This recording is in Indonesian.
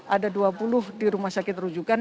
ada dua puluh di rumah sakit rujukan